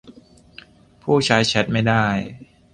ผู้ใช้แชตไม่ได้